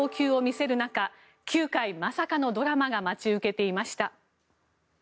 完璧な投球を見せる中９回まさかのドラマが待ち受けていました。